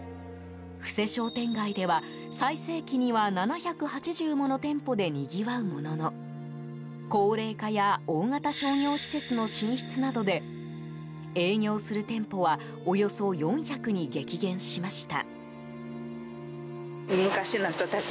布施商店街では最盛期には、７８０もの店舗でにぎわうものの高齢化や大型商業施設の進出などで営業する店舗はおよそ４００に激減しました。